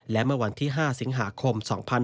และเมื่อวันที่๕สิงหาคม๒๕๕๙